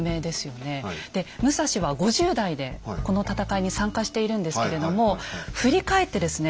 で武蔵は５０代でこの戦いに参加しているんですけれども振り返ってですね